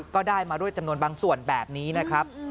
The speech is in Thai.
ก็ได้มาด้วยจำนวนบางส่วนแบบนี้นะครับ